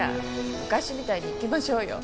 昔みたいにいきましょうよ。